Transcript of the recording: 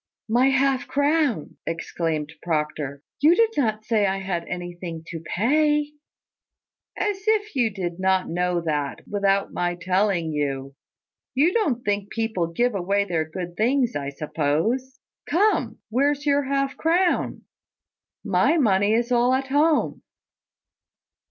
"My half crown!" exclaimed Proctor. "You did not say I had anything to pay." "As if you did not know that, without my telling you! You don't think people give away their good things, I suppose! Come, where's your half crown? My money is all at home."